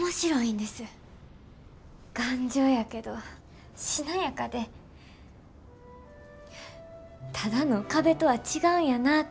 頑丈やけどしなやかでただの壁とは違うんやなって